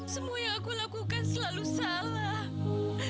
semua yang aku lakukan selalu salah